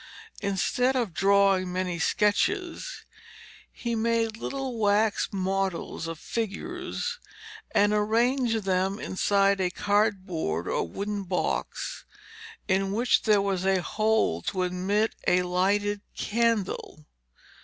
Instead of drawing many sketches, he made little wax models of figures and arranged them inside a cardboard or wooden box in which there was a hole to admit a lighted candle.